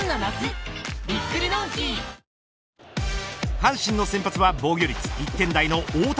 阪神の先発は防御率１点台の大竹。